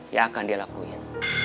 yang akan dilakuin